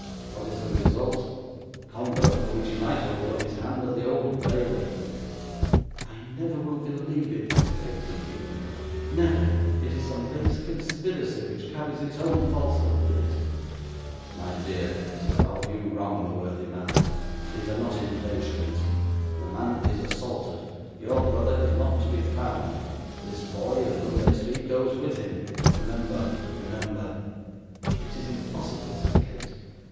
What is the result? Conduct for which he might hold up his hand at the Old Bailey.' 'I never will believe it,' said Kate, indignantly; 'never. It is some base conspiracy, which carries its own falsehood with it.' 'My dear,' said Ralph, 'you wrong the worthy man. These are not inventions. The man is assaulted, your brother is not to be found; this boy, of whom they speak, goes with him remember, remember.' 'It is impossible,' said Kate.